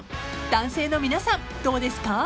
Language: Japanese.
［男性の皆さんどうですか？］